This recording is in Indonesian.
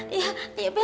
iya yuk be